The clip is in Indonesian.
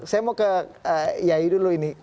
saya mau ke yayu dulu ini